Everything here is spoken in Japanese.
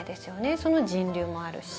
その人流もあるし